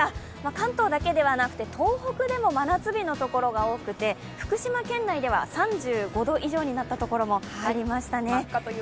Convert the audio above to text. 関東だけでなくて東北でも真夏日のところが多くて福島県内では３５度以上になったところもありましたね。